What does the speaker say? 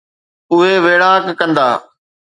اهي ويڙهاڪ ڪندا